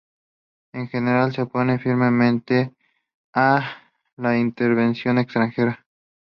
En general, se opone firmemente a la intervención extranjera.